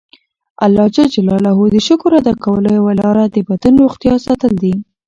د الله ج د شکر ادا کولو یوه لاره د بدن روغتیا ساتل دي.